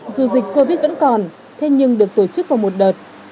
dù dịch covid vẫn còn thế nhưng được tổ chức vào một đợt